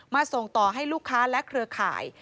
ส่งต่อให้ลูกค้าและเครือข่าย